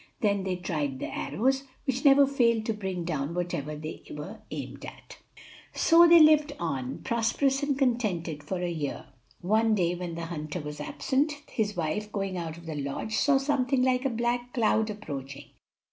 Then they tried the arrows, which never failed to bring down whatever they were aimed at. So they lived on, prosperous and contented, for a year. One day when the hunter was absent, his wife, going out of the lodge, saw something like a black cloud approaching.